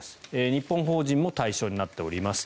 日本法人も対象となっています。